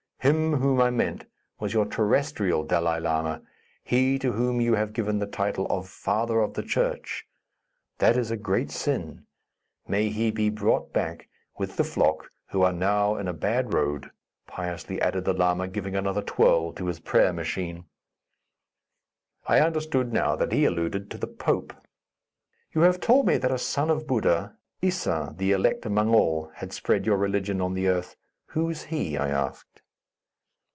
Him whom I meant was your terrestrial Dalai Lama; he to whom you have given the title of 'Father of the Church.' That is a great sin. May he be brought back, with the flock, who are now in a bad road," piously added the lama, giving another twirl to his prayer machine. I understood now that he alluded to the Pope. "You have told me that a son of Buddha, Issa, the elect among all, had spread your religion on the Earth. Who is he?" I asked.